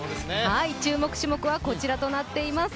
注目種目はこちらとなっています。